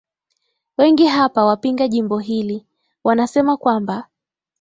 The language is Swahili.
wengi hapa wapinga jimbo hili wanasema kwamba